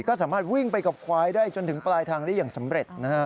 ก็สามารถวิ่งไปกับควายได้จนถึงปลายทางได้อย่างสำเร็จนะฮะ